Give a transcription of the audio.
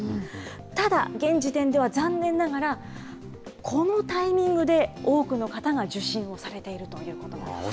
ただ、現時点では残念ながら、このタイミングで多くの方が受診をされているということなんです。